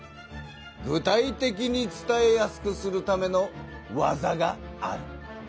具体的に伝えやすくするための技がある。